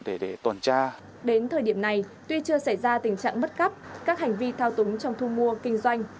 đến thời điểm này tuy chưa xảy ra tình trạng bất cấp các hành vi thao túng trong thu mua kinh doanh